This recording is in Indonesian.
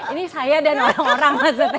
ini saya dan orang orang